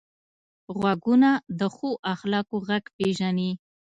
غوږونه د ښو اخلاقو غږ پېژني